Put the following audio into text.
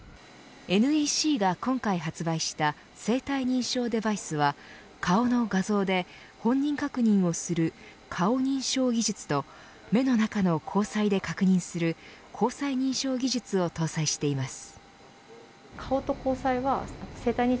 ＮＥＣが今回発売した生体認証デバイスは顔の画像で本人確認をする顔認証技術と目の中の虹彩で確認する虹彩認証技術を搭載しています。